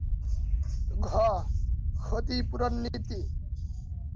ঘ. ক্ষতিপূরণ নীতি